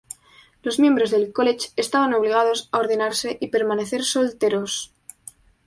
Los miembros del college estaban obligados a ordenarse y permanecer solteros.